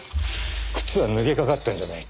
靴は脱げかかったんじゃない。